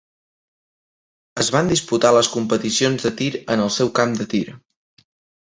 Es van disputar les competicions de tir en el seu camp de tir.